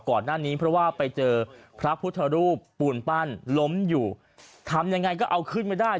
ก่อนหน้านี้เพราะว่าไปเจอพระพุทธรูปปูนปั้นล้มอยู่ทำยังไงก็เอาขึ้นไม่ได้